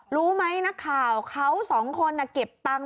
รู้ไหมนักข่าวเขาสองคนเก็บตังค์